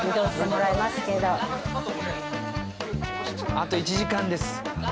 あと１時間です。